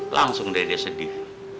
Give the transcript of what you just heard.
langsung dede sedih